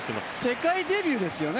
世界デビューですよね？